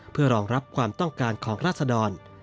เพื่อรองรับความต้องการของราศดร